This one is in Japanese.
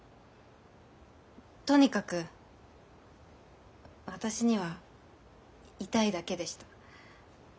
とにかく私には痛いだけでした。